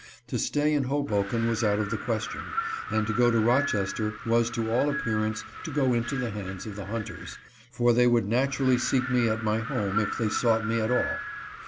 To stay in Hoboken was out of the question, and to go to Rochester was to all appearance to go into the hands of the hunters, for they would naturally seek me at my home if they sought me at all.